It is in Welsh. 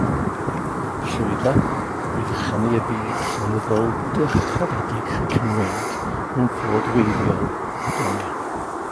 Llwydda i fychanu'r byd llenyddol dyrchafedig Cymreig mewn ffordd wreiddiol a doniol.